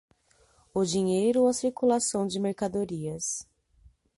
O dinheiro ou a circulação de mercadorias